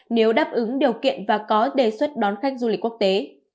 nếu đáp ứng điều kiện và có đề xuất đón khách du lịch quốc tế